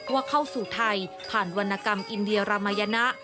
ว่าเข้าสู่ไทยผ่านวรรณกรรมอินเดียรามายนะ